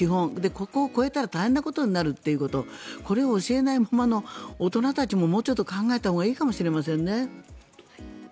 ここを超えたら大変なことになるということこれを教えないままの大人たちももうちょっと考えたほうがいいかもしれませんね。